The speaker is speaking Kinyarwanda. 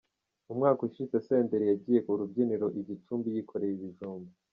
Umwaka ushize Senderi yagiye ku rubyiniro i Gicumbi yikoreye ibijumba.